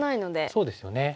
そうですよね。